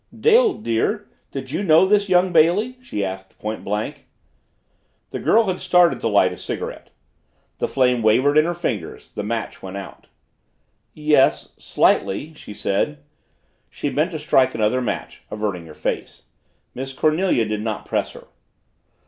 "Dale, dear, did you know this young Bailey?" she asked point blank. The girl had started to light a cigarette. The flame wavered in her fingers, the match went out. "Yes slightly," she said. She bent to strike another match, averting her face. Miss Cornelia did not press her.